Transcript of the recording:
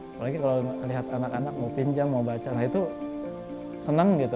apalagi kalau lihat anak anak mau pinjam mau baca nah itu seneng gitu